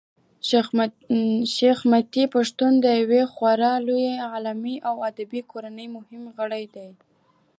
شېخ متي د پښتنو د یوې خورا لويي علمي او ادبي کورنۍمهم غړی دﺉ.